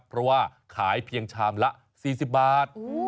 เพราะว่าขายเพียงชามละ๔๐บาท